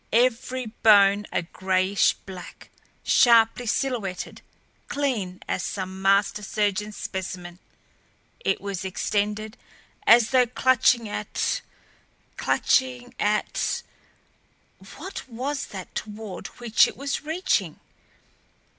Every bone a grayish black, sharply silhouetted, clean as some master surgeon's specimen, it was extended as though clutching at clutching at what was that toward which it was reaching?